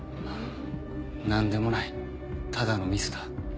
何でもないただのミスだ。